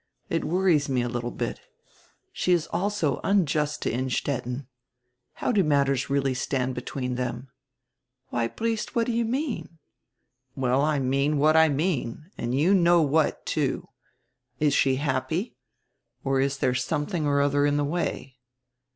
It worries me a little bit. She is also unjust to Innstetten. How do matters really stand between them?" "Why, Briest, what do you mean?" "Well, I mean what I mean and you know what, too. Is she happy? Or is there something or other in the way?